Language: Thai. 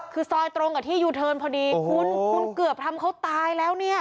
คือซอยตรงกับที่ยูเทิร์นพอดีคุณคุณเกือบทำเขาตายแล้วเนี่ย